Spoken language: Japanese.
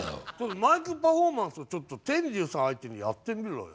マイクパフォーマンスをちょっと天龍さん相手にやってみろよ。